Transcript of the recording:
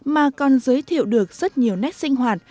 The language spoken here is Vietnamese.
mà còn giới thiệu được rất nhiều nét sinh hoạt